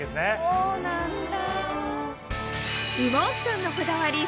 そうなんだ。